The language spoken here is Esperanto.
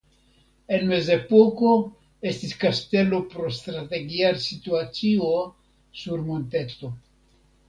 En Mezepoko estis kastelo pro strategia situacio sur monteto.